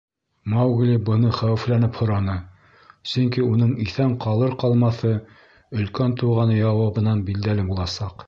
— Маугли быны хәүефләнеп һораны, сөнки уның иҫән ҡалыр-ҡалмаҫы Өлкән туғаны яуабынан билдәле буласаҡ.